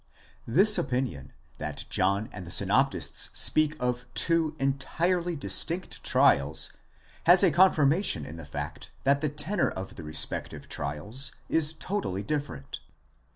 This opinion, that John and the synoptists speak of two entirely distinct trials, has a confirmation in the fact that the tenor of the respective trials is totaly different.